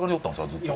ずっと。